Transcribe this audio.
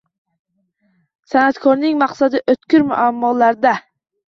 San’atkorning maqsadi o’tkir muammolarda.